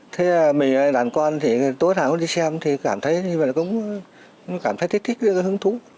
thế mình đàn con thì tối tháng đi xem thì cảm thấy thích thích hứng thú